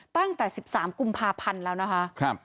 ตั้งแต่๑๓กุมภาพันธ์แล้วนะคะ